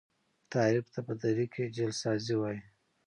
تحریف ته په دري کي جعل سازی وايي.